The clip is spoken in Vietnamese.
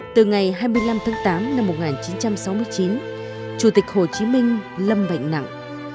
từ ngày hai mươi năm tháng tám năm một nghìn chín trăm sáu mươi chín chủ tịch hồ chí minh lâm bệnh nặng